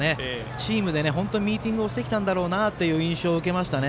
チームで本当にミーティングしてきたんだろうなという印象を受けましたね。